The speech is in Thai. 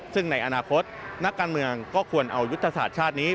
ซึ่งในอนาคตนักการเมืองก็ควรเอายุทธศาสตร์ชาตินี้